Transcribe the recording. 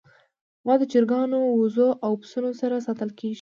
غوا د چرګانو، وزو، او پسونو سره ساتل کېږي.